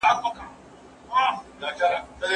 زه به سبا لوښي وچوم!؟